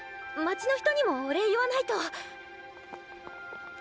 街の人にもお礼言わないと。